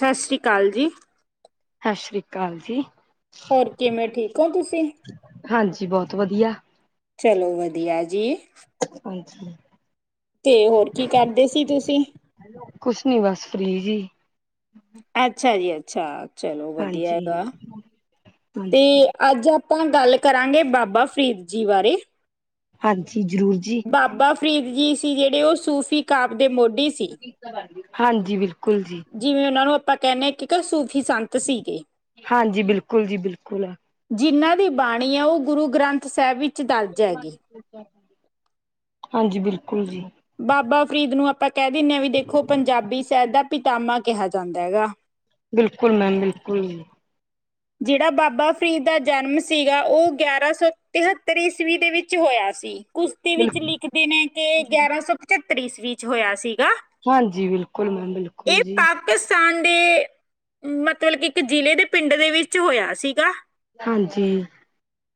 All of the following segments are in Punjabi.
ਸਾਸਰੀਕਾਲ ਜੀ। ਸਾ ਸ਼੍ਰੀ ਕਾਲ ਜੀ। ਹੋਰ ਕਿਵੇਂ ਠੀਕ ਓ ਤੁਸੀਂ। ਹਾਂਜੀ, ਬੌਤ ਵਧੀਆ। ਚਲੋ, ਵਧੀਆ ਜੀ। ਅੱਛਾ [unintelligible] ਤੇ ਹੋਰ ਕੀ ਕੇਰਦੇ ਸੀ ਤੁਸੀਂ? ਕੁਛ ਨੀ ਬਸ ਫ੍ਰੀ ਜੀ। ਅੱਛਾ ਜੀ, ਅੱਛਾ ਚਲੋ ਵਧੀਆ ਹਾਂਜੀ, ਹੈਗਾ। ਤੇ ਹਾਂਜੀ, ਅੱਜ ਆਪਾਂ ਗੱਲ ਕਰਾਂਗੇ ਬਾਬਾ ਫਰੀਦ ਜੀ ਬਾਰੇ। ਹਾਂਜੀ, ਜ਼ਰੂਰ ਜੀ। ਬਾਬਾ ਫਰੀਦ ਜੀ ਸੀ ਜੇੜੇ ਓ ਸੂਫ਼ੀ ਕਾਪ ਦੇ ਮੋਢੀ ਸ [unintelligible] ਹਾਂਜੀ, ਬਿਲਕੁਲ ਜੀ। ਜਿਵੇਂ ਓਨਾਂ ਨੂੰ ਆਪਾਂ ਕੈਨੇ ਆ ਕਿ ਕ ਸੂਫ਼ੀ ਸੰਤ ਸੀਗੇ। ਹਾਂਜੀ ਬਿਲਕੁਲ ਜੀ ਬਿਲਕੁਲ। ਜਿਨ੍ਹਾਂ ਦੀ ਬਾਣੀ ਆ ਓ ਗੁਰੂ ਗ੍ਰੰਥ ਸਾਹਿਬ ਵਿ [inaudible] ਹਾਂਜੀ, ਬਿਲਕੁਲ ਜੀ। ਬਾਬਾ ਫਰੀਦ ਨੂੰ ਆਪਾਂ ਕੈ ਦਿੰਦੇ ਆ ਵੀ ਦੇਖੋ ਪੰਜਾਬੀ ਸ਼ਹਿਦ ਦਾ ਪਿਤਾਮਾ ਕਿਹਾ ਜਾਂਦਾ ਹੈਗਾ। ਬਿਲਕੁਲ ਮੈਮ ਬਿਲਕੁਲ ਈ। ਜੇੜਾ ਬਾਬਾ ਫਰੀਦ ਦਾ ਜਨਮ ਸੀਗਾ ਓ ਗਿਆਰਾਂ ਸੌ ਤਿਹੱਤਰ ਈਸਵੀ ਦੇ ਵਿੱਚ ਹੋਇਆ ਸੀ। ਕੁਸਤੀ ਬਿਲ ਵਿੱਚ ਲਿਖਦੇ ਨੇ ਕੇ ਗਿਆਰਾਂ ਸੌ ਪਚੱਤਰ ਈਸਵੀ ਚ ਹੋਇਆ ਸੀਗਾ। ਹਾਂਜੀ ਬਿਲਕੁਲ ਮੈਮ ਬਿਲਕੁਲ ਇਹ ਜੀ। ਪਾਕਿਸਤਾਨ ਦੇ ਮਤਲਬ ਕਿ ਇੱਕ ਜ਼ਿਲ੍ਹੇ ਦੇ ਪਿੰਡ ਦੇ ਵਿੱਚ ਹੋਇਆ ਸੀਗਾ। ਹਾਂਜੀ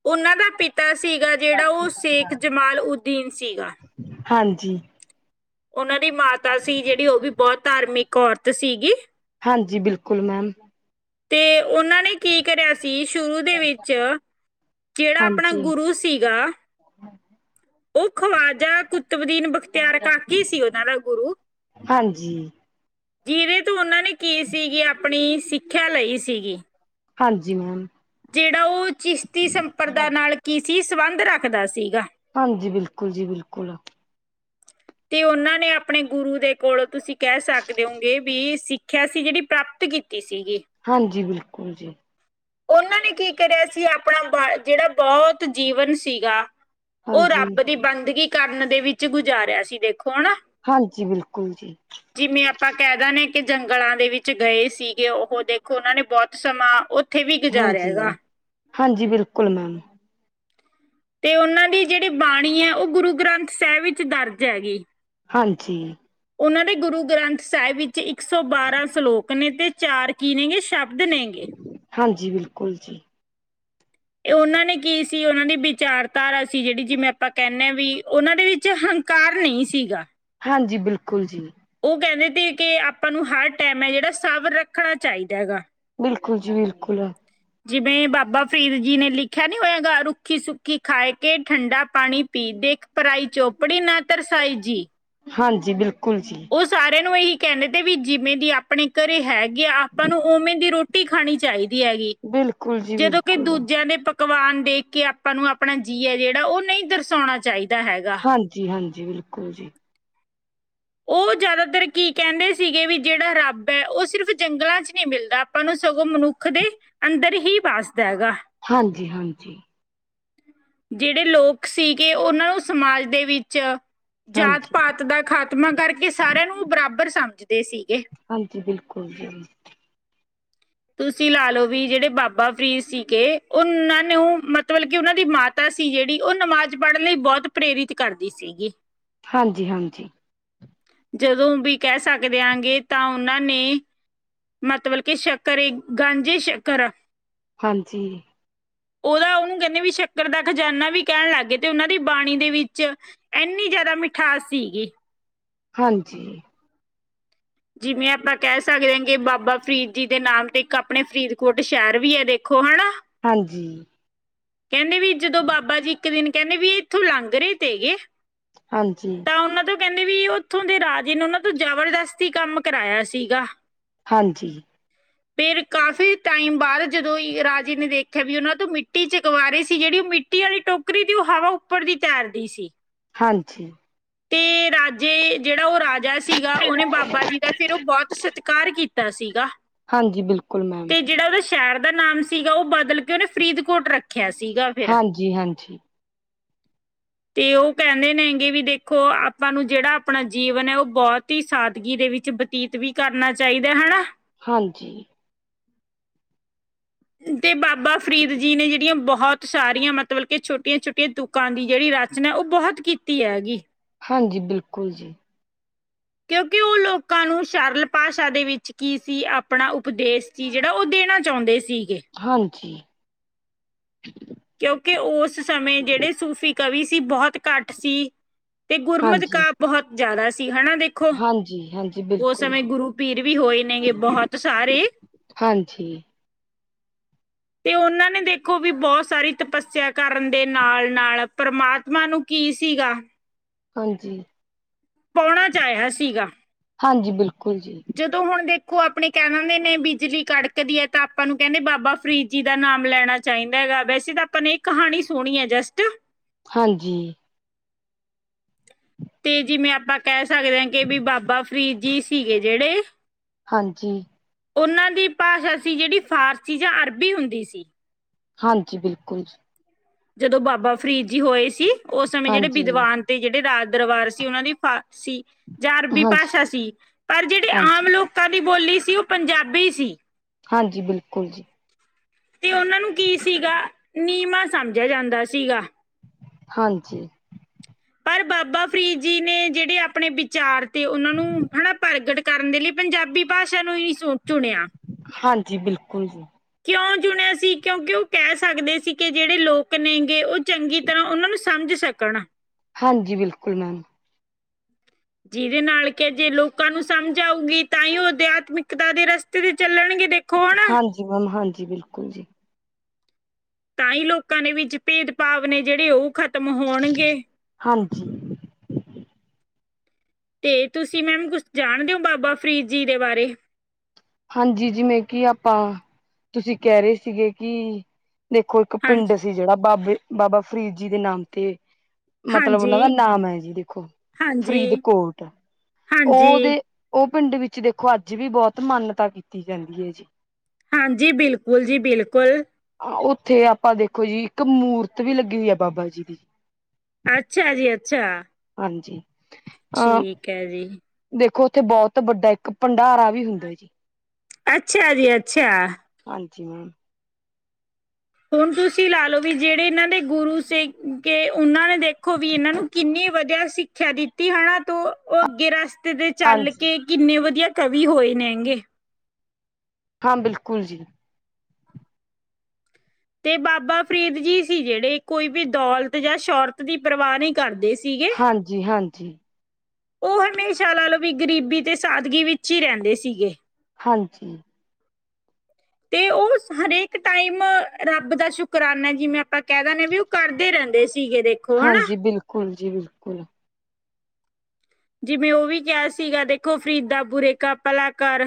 ਉਨਾਂ ਦਾ ਪਿਤਾ ਸੀਗਾ ਜੇੜਾ ਓ ਸੇਖ ਜਮਾਲ ਉਦੀਨ ਸੀਗਾ। ਹਾਂਜੀ ਓਨਾਂ ਦੀ ਮਾਤਾ ਸੀ ਜੇੜੀ ਓ ਵੀ ਬੌਤ ਧਾਰਮਿਕ ਔਰਤ ਸੀਗੀ। ਹਾਂਜੀ, ਬਿਲਕੁਲ ਮੈਮ। ਤੇ ਓਨਾਂ ਨੇ ਕੀ ਕਰਿਆ ਸੀ ਸ਼ੁਰੂ ਦੇ ਵਿੱਚ। ਜੇੜਾ ਆਪਣਾ ਹਾਂਜੀ, ਗੁਰੂ ਸੀਗਾ। ਓ ਖਵਾਜਾ ਕੁਤਬਦੀਨ ਬਖਤਿਆਰ ਕਰ ਕੀ ਸੀ ਓਨਾਂ ਦਾ ਗੁਰੂ? ਹਾਂਜੀ, ਜਿਦੇ ਤੋਂ ਓਨਾਂ ਨੇ ਕੇ ਸੀਗੀ ਆਪਣੀ ਸਿੱਖਿਆ ਲਈ ਸੀਗੀ। ਹਾਂਜੀ, ਮੈਮ। ਜੇੜਾ ਓ ਚਿਸਤੀ ਸੰਪਰਦਾ ਨਾਲ ਕੀ ਸੀ ਸੰਬੰਧ ਰੱਖਦਾ ਸੀਗਾ। ਹਾਂਜੀ ਬਿਲਕੁਲ ਜੀ ਬਿਲਕੁਲ ਤੇ ਉਹਨਾਂ ਨੇ ਆਪਣੇ ਗੁਰੂ ਦੇ ਕੋਲ ਤੁਸੀਂ ਕਹਿ ਸਕਦੇ ਹੋਗੇ ਵੀ ਸਿੱ ਸਿੱਖਿਆ ਅਸੀਂ ਜਿਹੜੀ ਪ੍ਰਾਪਤ ਕੀਤੀ ਸੀਗੀ। [unintelligible] ਹਾਂਜੀ ਬਿਲਕੁਲ ਜੀ। ਉਹਨਾਂ ਨੇ ਕੀ ਕਰਿਆ ਸੀ ਆਪਣਾ ਜਿਹੜਾ ਬਹੁਤ ਜੀਵਨ ਸੀਗਾ। ਉਹ ਹਾਂਜੀ। ਰੱਬ ਦੀ ਬੰਦਗੀ ਕਰਨ ਦੇ ਵਿੱਚ ਗੁਜ਼ਾਰਿਆ ਸੀ ਦੇਖੋ ਹਨਾ। ਹਾਂਜੀ ਬਿਲਕੁਲ ਜੀ। ਜਿਮੇ ਆਪਾਂ ਕਹਿ ਦਿੰਨੇ ਆਂ ਕਿ ਜੰਗਲਾਂ ਦੇ ਵਿੱਚ ਗਏ ਸੀਗੇ ਉਹ ਦੇਖੋ ਉਹਨਾਂ ਨੇ ਬਹੁਤ ਸਮਾਂ। ਉੱਥੇ ਵੀ ਗੁਜ਼ਾਰਿਆ ਹਾਂਜੀ ਹੈਗਾ ਹਾਂਜੀ ਬਿਲਕੁਲ ਮੈਮ। ਤੇ ਉਹਨਾਂ ਦੀ ਜਿਹੜੀ ਬਾਣੀ ਹੈ ਉਹ ਗੁਰੂ ਗ੍ਰੰਥ ਸਾਹਿਬ ਵਿੱਚ ਦਰਜ ਹੈਗੀ। ਹਾਂਜੀ। ਉਹਨਾਂ ਦੇ ਗੁਰੂ ਗ੍ਰੰਥ ਸਾਹਿਬ ਵਿੱਚ ਇੱਕ ਸੌ ਬਾਰਾਂ ਸਲੋਕ ਨੇ ਤੇ ਚਾਰ ਕੀ ਨੇ ਗਏ ਸ਼ਬ। ਸ਼ਬਦ ਨੇ ਗੇ। ਹਾਂਜੀ ਬਿਲਕੁਲ ਜੀ। ਉਹਨਾਂ ਨੇ ਕੀ ਸੀ ਉਹਨਾਂ ਦੀ ਵਿਚਾਰਧਾਰਾ ਸੀ ਜਿਹੜੀ ਜਿਵੇਂ ਆਪਾਂ ਕਹਿੰਨੇ ਆ ਵੀ ਉਹਨਾਂ ਦੇ ਵਿੱਚ ਹਨਕ। ਹੰਕਾਰ ਨਹੀਂ ਸੀਗਾ। ਹਾਂਜੀ ਬਿਲਕੁਲ ਜੀ। ਉਹ ਕਹਿੰਦੇ ਤੇ ਕਿ ਆਪਾਂ ਨੂੰ ਹਰ ਟਾਈਮ ਹੈ ਜਿਹੜਾ ਸਬਰ ਰੱਖਣਾ ਚਾਹੀਦਾ ਹੈਗਾ। ਬਿਲਕੁਲ ਜੀ ਬਿਲਕੁਲ। ਜਿਵੇਂ ਬਾਬਾ ਫਰੀਦ ਜੀ ਨੇ ਲਿਖਿਆ ਨੀ ਹੋਇਆ ਗਾ ਰੁੱਖੀ ਸੁੱਖੀ ਖਾਏ ਕੇ ਠੰਡਾ ਪਾਣੀ ਪੀ ਦੇਖ। ਪਰਾਈ ਚੋਪੜੀ ਨਾ ਤਰਸਾਈ ਜੀ। ਹਾਂਜੀ ਬਿਲਕੁਲ ਜੀ। ਉਹ ਸਾਰਿਆਂ ਨੂੰ ਇਹੀ ਕਹਿੰਦੇ ਤੇ ਵੀ ਜਿਵੇਂ ਦੀ ਆਪਣੇ ਘਰੇ ਹੈਗੀ ਆ ਆਪਾਂ ਨੂੰ ਉਵੇਂ ਦੀ ਰੋਟ। ਰੋਟੀ ਖਾਣੀ ਚਾਹੀਦੀ ਹੈਗੀ ਬਿਲਕੁਲ ਜੀ ਜਦੋਂ ਕਿ ਬਿਲਕੁਲ ਦੂਜਿਆਂ ਦੇ ਪਕ। ਪਕਵਾਨ ਦੇਖ ਕੇ ਆਪਾਂ ਨੂੰ ਆਪਣਾ ਜੀਅ ਏ ਜਿਹੜਾ ਉਹ ਨਹੀਂ ਤਰਸਾਉਣਾ ਚਾਹੀਦਾ ਹੈਗਾ। ਹਾਂਜੀ ਹਾਂਜੀ ਬਿਲਕੁਲ ਜੀ। ਉਹ ਜ਼ਿਆਦਾਤਰ ਕੀ ਕਹਿੰਦੇ ਸੀਗੇ ਵੀ ਜਿਹੜਾ ਰੱਬ ਹੈ ਉਹ ਸਿਰਫ਼ ਜੰਗਲਾਂ 'ਚ ਨਹੀਂ ਮਿਲਦਾ। ਆਪਾਂ ਨੂੰ ਸਗੋਂ ਮਨੁੱਖ ਦੇ ਅੰਦਰ ਹੀ ਵਾਸਦਾ ਹੈਗਾ। ਹਾਂਜੀ ਹਾਂਜੀ। ਜਿਹੜੇ ਲੋਕ ਸੀਗੇ ਉਹਨਾਂ ਨੂੰ ਸਮਾਜ ਦੇ ਵਿੱਚ ਜਾਤ ਹਾਂਜੀ ਪਾਤ ਦਾ ਖਾ। ਖਾਤਮਾ ਕਰਕੇ ਸਾਰਿਆਂ ਨੂੰ ਬਰਾਬਰ ਸਮਝਦੇ ਸੀਗੇ। ਹਾਂਜੀ ਬਿਲਕੁਲ ਜੀ। ਤੁਸੀਂ ਲਾ ਲਓ ਵੀ ਜਿਹੜੇ ਬਾਬਾ ਫਰੀਦ ਸੀਗੇ ਉਹਨਾਂ ਨੂੰ ਮਤਲਬ ਕਿ ਉਹਨਾਂ ਦੀ ਮਾਤ। ਮਾਤਾ ਸੀ ਜਿਹੜੀ ਉਹ ਨਮਾਜ਼ ਪੜ੍ਹਨ ਲਈ ਬਹੁਤ ਪ੍ਰੇਰਿਤ ਕਰਦੀ ਸੀਗੀ। ਹਾਂਜੀ ਹਾਂਜੀ। ਜਦੋਂ ਵੀ ਕਹਿ ਸਕਦੇ ਆਂਗੇ ਤਾਂ ਉਹਨਾਂ ਨੇ। ਮਤਬਲ ਕੀ ਸ਼ੱਕਰ ਇੱਕ ਗਾਂਜੀ ਸ਼ੱਕਰ ਆ। ਹਾਂਜੀ। ਉਹਦਾ ਉਹਨੂੰ ਕਹਿੰਨੇ ਵੀ ਸ਼ੱਕਰ ਦਾ ਖਜਾਨਾ ਵੀ ਕਹਿਣ ਲੱਗ ਗਏ ਤੇ ਉਹਨਾਂ ਦੀ ਬਾਣੀ ਦੇ ਵਿੱਚ। ਏਂਨੀ ਜ਼ਿਆਦਾ ਮਿਠਾਸ ਸੀਗੀ। ਹਾਂਜੀ। ਜਿਵੇਂ ਆਪਾਂ ਕਹਿ ਸਕਦੇ ਹਾਂ ਕਿ ਬਾਬਾ ਫਰੀਦ ਜੀ ਦੇ ਨਾਮ ਤੇ ਇੱਕ ਆਪਣੇ ਫਰੀਦਕੋਟ ਸ਼ਹਿਰ ਵੀ ਹੈ ਦੇਖੋ ਹਨਾ। ਹਾਂਜੀ। ਕਹਿੰਦੇ ਵੀ ਜਦੋਂ ਬਾਬਾ ਜੀ ਇੱਕ ਦਿਨ ਕਹਿੰਦੇ ਵੀ ਇੱਥੋਂ ਲੰਘ ਰਹੇ ਤੇ ਗਏ। ਹਾਂਜੀ। ਤਾਂ ਉਹਨਾਂ ਤੋਂ ਕਹਿੰਦੇ ਵੀ ਉੱਥੋਂ ਦੇ ਰਾਜੇ ਨੇ ਉਹਨਾਂ ਤੋਂ ਜ਼ਬਰਦਸਤੀ ਕੰਮ ਕਰਾਇਆ ਸੀਗਾ। ਹਾਂਜੀ। ਫੇਰ ਕਾਫੀ ਟਾਈਮ ਬਾਅਦ ਜਦੋਂ ਰਾਜੇ ਨੇ ਦੇਖਿਆ ਵੀ ਉਹਨਾਂ ਤੋਂ ਮਿੱਟੀ ਚਕਵਾ ਰਹੇ ਸੀ। ਜਿਹੜੀ ਉਹ ਮਿੱਟੀ। ਮਿੱਟੀ ਵਾਲੀ ਟੋਕਰੀ ਦੀ ਉਹ ਹਵਾ ਉੱਪਰ ਦੀ ਤੈਰਦੀ ਸੀ। ਹਾਂਜੀ। ਤੇ ਰਾਜੇ ਜਿਹੜਾ ਉਹ ਰਾਜਾ ਸੀਗਾ ਉਹਨੇ ਬਾਬਾ ਜੀ। ਦਾ ਫਿਰ ਉਹ ਬਹੁਤ ਸਤਿਕਾਰ ਕੀਤਾ ਸੀਗਾ। ਹਾਂਜੀ ਬਿਲਕੁਲ ਮੈਮ। ਤੇ ਜਿਹੜਾ ਉਹਦੇ ਸ਼ਹਿਰ ਦਾ ਨਾਮ ਸੀਗਾ ਉਹ ਬਦਲ ਕੇ ਉਹਨੇ ਫਰੀਦਕੋਟ ਰੱਖਿਆ ਸੀਗਾ। ਫਿਰ ਹਾਂਜੀ ਹਾਂਜੀ। ਤੇ ਉਹ ਕਹਿੰਦੇ ਨੇ ਹੈਗੇ ਵੀ ਦੇਖ ਦੇਖੋ ਆਪਾਂ ਨੂੰ ਜਿਹੜਾ ਆਪਣਾ ਜੀਵਨ ਹੈ ਉਹ ਬਹੁਤ ਹੀ ਸਾਦਗੀ ਦੇ ਵਿੱਚ ਬਤੀਤ ਵੀ ਕਰਨਾ ਚਾਹੀਦਾ ਹੈ ਨਾ। ਹਾਂਜੀ ਤੇ ਬਾਬਾ ਫਰੀਦ ਜੀ ਨੇ ਜਿਹੜੀਆਂ ਬਹੁਤ ਸਾਰੀਆਂ ਮਤਲਬ ਕੇ ਛੋਟੀਆਂ ਛੋਟੀਆਂ ਤੁ ਕਾਂ ਦੀ ਜਿਹੜੀ ਰਚਨਾ ਉਹ ਬਹੁਤ ਕੀਤੀ ਹੈਗੀ। ਹਾਂਜੀ ਬਿਲਕੁਲ ਜੀ। ਕਿਉਂਕਿ ਉਹ ਲੋਕਾਂ ਨੂੰ ਸਰਲ ਭਾਸ਼ਾ ਦੇ ਵਿੱਚ ਕੀ ਸੀ ਆਪਣਾ ਉਪਦੇਸ਼ ਸੀ ਜਿਹੜਾ ਉਹ ਦੇਣਾ ਚਾਹੁੰਦੇ ਸੀਗੇ। ਹਾਂਜੀ ਕਿਉਂਕਿ ਉਸ ਸਮੇਂ ਜਿਹੜੇ ਸੂਫ਼ੀ ਕਵੀ ਸੀ ਬਹੁਤ ਘੱਟ ਸੀ। ਤੇ ਗੁਰਮਤ ਹਾਂਜੀ ਕਾਵਿ ਬਹੁਤ ਜ਼ਿਆਦਾ ਸੀ ਹੈ ਨਾ ਦੇ ਖੋ ਹਾਂਜੀ ਹਾਂਜੀ ਉਸ ਬਿਲਕੁਲ ਸਮੇਂ ਜੀ ਗੁਰੂ ਪੀਰ ਵੀ ਹੋਏ ਨੇਗੇ ਬਹੁਤ ਸਾਰੇ ਹਾਂਜੀ ਤੇ ਉਹਨਾਂ ਨੇ ਦੇਖੋ ਵੀ ਬਹੁਤ ਸਾਰੀ ਤਪੱਸਿਆ ਕਰਨ ਦੇ ਨਾਲ ਨਾਲ ਪ੍ਰਮਾਤਮਾ ਨੂੰ ਕੀ ਸੀਗਾ। ਹਾਂਜੀ ਪਾਉਣਾ ਚਾਹਿਆ ਸੀਗਾ। ਹਾਂਜੀ ਬਿਲਕੁਲ ਜੀ। ਜਦੋਂ ਹੁਣ ਦੇਖੋ ਆਪਣੇ ਕਹਿ ਦਿੰਦੇ ਨੇ ਬਿਜਲੀ ਕੜਕਦੀ ਹੈ ਤਾਂ ਆਪਾਂ ਨੂੰ ਕਹਿੰਦੇ ਬਾਬਾ ਫਰੀਦ ਜੀ ਦਾ ਨਾਮ ਲੈਣਾ ਚਾਹੀਦਾ ਹੈਗਾ ਵੈਸੇ ਤਾਂ ਆਪਾਂ ਨੇ ਇੱਕ ਕਹਾਣੀ ਸੁਣੀ ਹੈ ਜਸਟ ਹਾਂਜੀ ਤੇ ਜਿਵੇਂ ਆਪਾਂ ਕਹਿ ਸਕਦੇ ਹਾਂ ਕਿ ਵੀ ਬਾਬਾ ਫਰੀਦ ਜੀ ਸੀਗੇ ਜਿਹੜੇ ਹਾਂਜੀ ਉਹਨਾਂ ਦੀ ਭਾਸ਼ਾ ਸੀ ਜਿਹੜੀ ਫ਼ਾਰਸੀ ਜਾਂ ਅਰਬੀ ਹੁੰਦੀ ਸੀ। ਹਾਂਜੀ ਬਿਲਕੁਲ ਜੀ। ਜਦੋਂ ਬਾਬਾ ਫਰੀਦ ਜੀ ਹੋਏ ਸੀ ਉਸ ਸਮੇਂ ਜਿਹੜੇ ਹਾਂਜੀ ਵਿਦਵਾਨ ਤੇ ਜਿਹੜੇ ਰਾਜ ਦਰਬਾਰ ਸੀ ਉਹਨਾਂ ਦੀ ਫਾਰਸੀ। ਜਾਂ ਅਰਬੀ ਹਾਂਜੀ ਭਾਸ਼ਾ ਸੀ ਪਰ ਜਿਹੜੀ ਆਮ ਹਾਂਜੀ ਲੋਕਾਂ ਦੀ ਬੋਲੀ ਸੀ ਉਹ ਪੰਜਾਬੀ ਸੀ। ਹਾਂਜੀ, ਬਿਲਕੁਲ ਜੀ। ਤੇ ਉਹਨਾਂ ਨੂੰ ਕੀ ਸੀਗਾ ਨੀਵਾਂ ਸਮਝਿਆ ਜਾਂਦਾ ਸੀਗਾ। ਹਾਂਜੀ ਪਰ ਬਾਬਾ ਫਰੀਦ ਜੀ ਨੇ ਜਿਹੜੇ ਆਪਣੇ ਵਿਚਾਰ ਤੇ ਉਹਨਾਂ ਨੂੰ ਹਨਾ ਪ੍ਰਗਟ ਕਰਨ ਦੇ ਲਈ ਪੰਜਾਬੀ ਭਾਸ਼ਾ ਨੂੰ ਹੀ ਚੁਣਿਆ। ਹਾਂਜੀ, ਬਿਲਕੁਲ। ਕਿਉਂ ਚੁਣਿਆ ਸੀ ਕਿਉਂਕਿ ਉਹ ਕਹਿ ਸਕਦੇ ਸੀ ਕਿ ਜਿਹੜੇ ਲੋਕ ਨੇਗੇ ਉਹ ਚੰਗੀ ਤਰ੍ਹਾਂ ਉਹਨਾਂ ਨੂੰ ਸਮਝ ਸਕ ਕਰਨਾ ਹਾਂਜੀ ਬਿਲਕੁਲ ਮੈਮ ਜਿਹਦੇ ਨਾਲ ਕਿ ਅ ਜੇ ਲੋਕਾਂ ਨੂੰ ਸਮਝ ਆਊਗੀ ਤਾਂ ਹੀ ਉਹ ਅਧਿਆਤਮਿਕਤਾ ਦੇ ਰਸਤੇ ਤੇ ਚੱਲਣਗੇ ਦੇਖੋ ਹਨਾ ਹਾਂਜੀ ਮੈਮ ਹਾਂਜੀ ਬਿਲਕੁਲ ਜੀ ਤਾਂ ਹੀ ਲੋਕਾਂ ਦੇ ਵਿੱਚ ਭੇਦ ਭਾਵ ਨੇ ਜਿਹੜੇ ਉਹ ਖ਼ਤਮ ਹੋਣਗੇ ਹਾਂਜੀ ਤੇ ਤੁਸੀਂ ਮੈਮ ਕੁਛ ਜਾਣਦੇ ਹੋ ਬਾਬਾ ਫਰੀਦ ਜੀ ਦੇ ਬਾਰੇ ਹਾਂਜੀ ਜਿਵੇਂ ਕਿ ਆਪਾਂ ਤੁਸੀਂ ਕਹਿ ਰਹੇ ਸੀਗੇ ਕਿ ਦੇਖੋ ਇੱਕ ਹਾਂਜੀ ਪਿੰਡ ਸੀ ਜਿਹੜਾ ਬਾਬੇ ਬਾਬਾ ਫਰੀਦ ਜੀ ਦੇ ਨਾਮ ਤੇ ਮਤਲਬ ਉਹਨਾਂ ਹਾਂਜੀ ਦਾ ਨਾਮ ਹੈ ਜੀ ਦੇਖੋ ਹਾਂਜੀ ਫਰੀਦਕੋਟ ਹਾਂਜੀ ਉਹਦੇ ਉਹ ਪਿੰਡ ਵਿੱਚ ਦੇਖੋ ਅੱਜ ਵੀ ਬਹੁਤ ਮਾਨਤਾ ਕੀਤੀ ਜਾਂਦੀ ਹੈ ਜੀ ਹਾਂਜੀ ਬਿਲਕੁਲ ਜੀ ਬਿਲਕੁਲ ਉੱਥੇ ਆਪਾਂ ਦੇਖੋ ਜੀ ਇੱਕ ਮੂਰਤ ਵੀ ਲੱਗੀ ਆ ਬਾਬਾ ਜੀ ਦੀ। ਅੱਛਾ ਜੀ ਅੱਛਾ। ਹਾਂਜੀ ਅ। ਇਹ ਵੀ ਦੇਖੋ ਉੱਥੇ ਬਹੁਤ ਵੱਡਾ ਇੱਕ ਭੰਡਾਰਾ ਵੀ ਹੁੰਦਾ ਜੀ। ਅੱਛਾ ਜੀ ਅੱਛਾ। ਹਾਂਜੀ ਮੈਮ। ਹੁਣ ਤੁਸੀਂ ਲਾ ਲਓ ਵੀ ਜਿਹੜੇ ਇਹਨਾਂ ਦੇ ਗੁਰੂ ਸੀਗੇ ਕਿ ਉਹਨਾਂ ਨੇ ਦੇਖੋ ਵੀ ਇਹਨਾਂ ਨੂੰ ਕਿੰਨੀ ਵਧੀਆ ਸਿਖਿਆ ਸਿੱਖਿਆ ਦਿੱਤੀ ਹਨਾ ਤੂੰ ਉਹ ਗਿਰਸ ਤੇ ਚੱਲ ਹਾਂਜੀ ਕੇ ਕਿੰਨੇ ਵਧੀਆ ਕਵੀ ਹੋਏ ਨੇ ਹੈਂਗੇ। ਹਾਂ ਬਿਲਕੁਲ ਜੀ। ਤੇ ਬਾਬਾ ਫਰੀਦ ਜੀ ਸੀ ਜਿਹੜੇ ਕੋਈ ਵੀ ਦੌਲਤ ਜਾਂ ਸ਼ੋਰਤ ਦੀ। ਪਰਵਾਹ ਨਹੀਂ ਕਰਦੇ ਸੀਗੇ। ਹਾਂਜੀ ਹਾਂਜੀ ਉਹ ਹਮੇਸ਼ਾ ਲਾ ਲਓ ਵੀ ਗਰੀਬੀ ਤੇ ਸਾਦਗੀ ਵਿੱਚ ਹੀ ਰਹਿੰਦੇ ਸੀਗੇ। ਹਾਂਜੀ। ਤੇ ਉਹ ਹਰੇਕ ਟਾਈਮ ਰੱਬ ਦਾ ਸ਼ੁਕਰਾਨਾ ਜਿਵੇਂ ਆਪਾਂ ਕਹਿ ਦਿੰਦੇ ਵੀ ਉਹ ਕਰਦੇ ਰਹਿੰਦੇ ਸੀਗੇ ਦੇ। ਹਾਂਜੀ ਬਿਲਕੁਲ ਜੀ ਬਿਲਕੁਲ। ਜਿਵੇਂ ਉਹ ਵੀ ਕਿਹਾ ਸੀਗਾ ਦੇਖੋ ਫਰੀਦ ਬੁਰੇ ਕ ਭਲਾਕਾਰ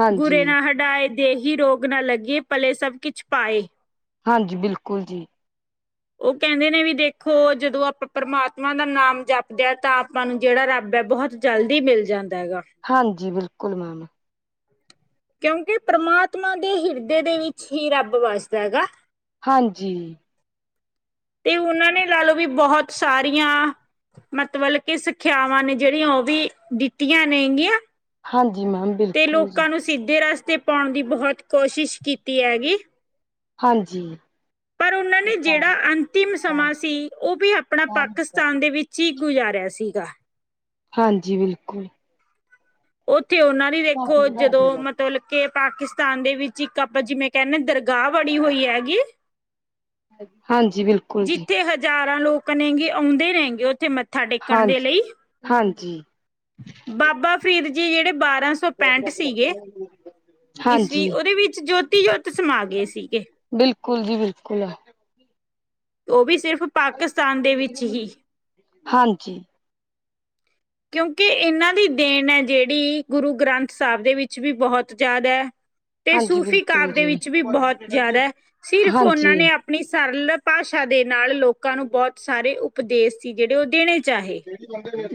ਹਾਂਜੀ ਗੁਰੇ ਨਾਲ ਹਨ। ਏ ਦੇ ਹੀ ਰੋਗ ਨਾ ਲੱਗੇ ਪਲੇ ਸਭ ਕੁਛ ਪਾਏ। ਹਾਂਜੀ ਬਿਲਕੁਲ ਜੀ। ਉਹ ਕਹਿੰਦੇ ਨੇ ਵੀ ਦੇਖੋ ਜਦੋਂ ਆਪਾਂ ਪ੍ਰਮਾਤਮਾ ਦਾ ਨਾਮ ਜਪਦੇ ਹ ਤਾਂ ਆਪਾਂ ਨੂੰ ਜਿਹੜਾ ਰੱਬ ਹੈ ਬਹੁਤ। ਜਲਦੀ ਮਿਲ ਜਾਂਦਾ ਹੈਗਾ। ਹਾਂਜੀ ਬਿਲਕੁਲ ਮੈਮ ਕਿਉਂਕਿ ਪਰਮਾਤਮਾ ਦੇ ਹਿਰਦੇ ਦੇ ਵਿੱਚ ਹੀ ਰੱਬ ਵੱਸਦਾ ਹੈਗਾ। ਹਾਂਜੀ। ਤੇ ਉਹਨਾਂ ਨੇ ਲਾ ਲਓ ਵੀ ਬਹੁਤ ਸਾਰੀਆਂ। ਮਤਲਬ ਕਿ ਸਿੱਖਿਆਵਾਂ ਨੇ ਜਿਹੜੀਆਂ ਉਹ ਵੀ ਦਿੱਤੀਆਂ ਨੇਗੀਆਂ। ਹਾਂਜੀ ਮੈਮ ਤੇ ਬਿਲਕੁਲ ਜੀ। ਲੋਕਾਂ ਨੂੰ ਸਿੱਧੇ ਰਸਤੇ ਪਾਉਣ ਦੀ ਬਹੁਤ ਕੋਸ਼ਿਸ਼ ਕੀਤੀ ਹੈਗੀ। ਹਾਂਜੀ। ਪਰ ਉਹਨਾਂ ਨੇ ਜਿਹੜਾ ਅੰਤਿਮ ਸਮਾਂ ਸੀ ਉਹ ਵੀ ਆਪਣਾ ਪਾਕਿਸਤਾਨ ਦੇ ਵਿੱਚ ਚੀ ਗੂਜਾਰਿਆ ਸੀਗਾ। ਹਾਂਜੀ ਬਿਲਕੁਲ ਉੱਥੇ ਉਹਨਾਂ ਦੀ ਦੇਖੋ ਜਦੋਂ ਮਤਲਬ ਕਿ ਪਾਕਿਸਤਾਨ ਦੇ ਵਿੱਚ ਇੱਕ ਆਪਾਂ ਜਿਵੇਂ ਕਹਿੰਦੇ ਦਰਗਾਹ ਬਣੀ ਹੋਈ ਹੈਗੀ। ਹਾਂਜੀ ਬਿਲਕੁਲ ਜੀ ਜਿੱਥੇ ਹਜ਼ਾਰਾਂ ਲੋਕ ਣੇਗੇ ਆਉਂਦੇ ਰਹਿਣਗੇ ਉੱਥੇ ਮੱਥਾ ਟੇਕਣ ਦੇ ਹਾਂਜੀ, ਲਈ। ਹਾਂਜੀ। ਬਾਬਾ ਫਰੀਦ ਜੀ ਜਿਹੜੇ ਬਾਰਾਂ ਸੌ ਪੈਂਹਠ ਸੀਗੇ ਰ। ਈਸਵੀ ਉਹਦੇ ਵਿੱਚ ਜੋਤੀ ਜੋਤ ਸਮਾ ਗਏ ਸੀਗੇ। ਬਿਲਕੁਲ ਜੀ ਬਿਲਕੁਲ ਉਹ ਵੀ ਸਿਰਫ਼ ਪਾਕਿਸਤਾਨ ਦੇ ਵਿੱਚ ਹੀ ਹਾਂਜੀ। ਕਿਉਂਕਿ ਇਹਨਾਂ ਦੀ ਦੇਣ ਹੈ ਜਿਹੜੀ, ਗੁਰੂ ਗ੍ਰੰਥ ਸਾਹਿਬ ਦੇ ਵਿੱਚ ਵੀ ਬਹੁਤ ਜ਼ਿਆਦਾ ਹੈ। ਤੇ ਹਾਂਜੀ ਸੂਫ਼ੀ ਬਿਲਕੁਲ ਕਾਵ ਦੇ ਜੀ ਵਿੱਚ ਵੀ ਬਹੁਤ ਜ਼ਿਆਦਾ ਹੈ, ਸਿਰਫ ਉਹਨਾਂ ਨੇ ਹਾਂਜੀ। ਆਪਣੀ ਸਰਲ ਭਾਸ਼ਾ ਦੇ ਨਾਲ ਲੋਕਾਂ ਨੂੰ ਬਹੁਤ ਸਾਰੇ ਉਪਦੇਸ਼ ਸੀ ਜਿਹੜੇ ਉਹ ਦੇਣੇ ਚਾਹੇ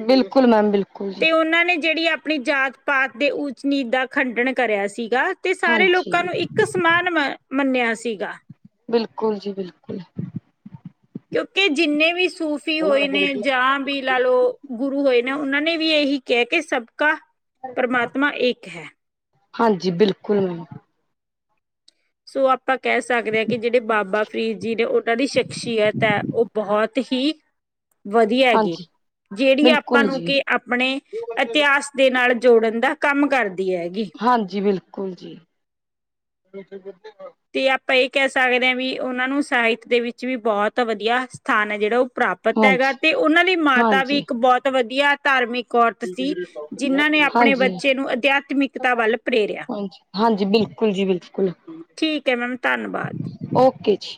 ਬਿਲਕੁਲ ਮੈਮ ਬਿਲਕੁਲ। ਜੀ ਤੇ ਉਹਨਾਂ ਨੇ ਜਿਹੜੀ ਆਪਣੀ ਜਾਤ ਪਾਤ ਦੇ ਉੱਚ ਨੀਚ ਦਾ ਖੰਡਨ ਕਰਿਆ ਸੀਗਾ। ਤੇ ਸਾਰੇ ਹਾਂਜੀ ਲੋਕਾਂ ਨੂੰ ਇੱਕ ਸਮਾਨ ਮ ਮੰਨਿਆ ਸੀਗਾ। ਬਿਲਕੁਲ ਜੀ ਬਿਲਕੁਲ। ਕਿਉਂਕਿ ਜਿੰਨੇ ਵੀ ਸੂਫ਼ੀ ਹੋਏ ਨੇ ਜਾਂ ਵੀ ਲਾ ਲਓ ਗੁਰੂ ਹੋਏ ਨੇ ਉਹਨਾਂ ਨੇ ਵੀ ਇਹੀ ਕਿਹਾ ਕਿ ਸਬਕਾ, ਪ੍ਰਮਾਤਮਾ ਇੱਕ ਹੈ। ਹਾਂਜੀ ਬਿਲਕੁਲ ਮੈਮ ਸੋ ਆਪਾਂ ਕਹਿ ਸਕਦੇ ਹਾਂ ਕਿ ਜਿਹੜੇ ਬਾਬਾ ਫਰੀਦ ਜੀ ਨੇ ਉਹਨਾਂ ਦੀ ਸ਼ਖਸੀੀਅਤ ਹੈ ਉਹ ਬਹੁਤ ਹੀ ਵਧੀਆ ਹੈਗੀ, ਹਾਂਜੀ ਜਿਹੜੀ ਆਪਾਂ ਬਿਲਕੁਲ ਨੂੰ ਜੀ ਕਿ ਆਪਣੇ ਇਤਿਹਾਸ ਦੇ ਨਾਲ ਜੋੜਨ ਦਾ ਕੰਮ ਕਰਦੀ ਹੈਗੀ। ਹਾਂਜੀ ਬਿਲਕੁਲ ਜੀ ਤੇ ਆਪਾਂ ਇਹ ਕਹਿ ਸਕਦੇ ਹਾਂ ਵੀ, ਉਹਨਾਂ ਨੂੰ ਸਾਹਿਤ ਦੇ ਵਿੱਚ ਵੀ ਬਹੁਤ ਵਧੀਆ ਸਥਾਨ ਹੈ ਜਿਹੜਾ ਉਹ ਪ੍ਰਾਪਤ ਹੈਗਾ, ਹਾਂਜੀ, ਤੇ ਉਹਨਾਂ ਦੀ ਮਾਤਾ ਵੀ ਹਾਂਜੀ। ਇੱਕ ਬਹੁਤ ਵਧੀਆ ਧਾਰਮਿਕ ਔਰਤ ਸੀ ਜਿਨਾਂ ਨੇ ਆਪਣੇ ਹਾਂਜੀ, ਬੱਚੇ ਨੂੰ ਅਧਿਆਤਮਿਕਤਾ ਵੱਲ ਪ੍ਰੇਰਿਆ। ਹਾਂਜੀ, ਹਾਂਜੀ ਬਿਲਕੁਲ ਜੀ ਬਿਲਕੁਲ ਠੀਕ ਹੈ ਮੈਮ ਧੰਨਵਾਦ। ਓਕੇ ਜੀ।